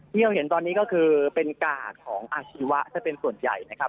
ที่เราเห็นตอนนี้ก็คือเป็นกากของอาชีวะซะเป็นส่วนใหญ่นะครับ